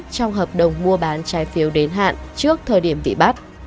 trong hợp đồng mua bán trái phiếu đến hạn trước thời điểm bị bắt